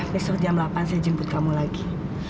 besok jam delapan saya jemput kamu lagi